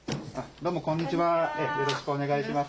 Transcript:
どうもこんにちは、よろしくお願いします。